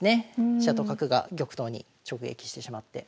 飛車と角が玉頭に直撃してしまって。